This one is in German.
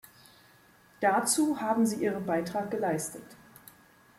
Dazu haben Sie Ihren Beitrag geleistet.